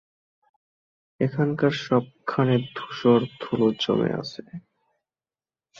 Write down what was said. এখানকার সবখানে ধূসর ধুলো জমে আছে।